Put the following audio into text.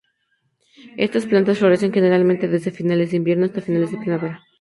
Estas plantas florecen generalmente desde finales de invierno hasta finales de primavera.